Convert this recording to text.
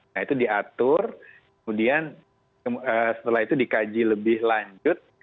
nah itu diatur kemudian setelah itu dikaji lebih lanjut